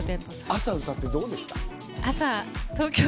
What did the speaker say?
朝、歌ってどうでした？